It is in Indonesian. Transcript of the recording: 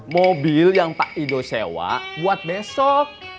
mobil yang pak ido sewa buat besok